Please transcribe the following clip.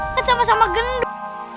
kan sama sama gendut